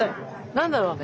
何だろうね。